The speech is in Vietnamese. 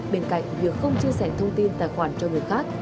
bên cạnh việc không chia sẻ thông tin tài khoản cho người khác